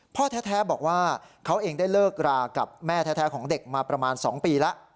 พ่อแท้บอกว่าเขาเองได้เลิกรากับแม่แท้ของเด็กมาประมาณ๒ปีแล้ว